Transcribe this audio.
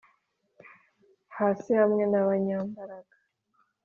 Hasi hamwe n abanyambaraga c